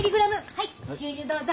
はい牛乳どうぞ。